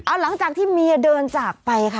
เอาหลังจากที่เมียเดินจากไปค่ะ